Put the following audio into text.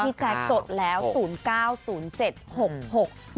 ใช่พี่แจ๊คจดแล้ว๐๙๐๗๖๖